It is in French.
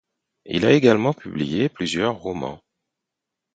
Il a également publié plusieurs romans.